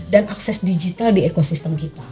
dan akses digital di ekosistem kita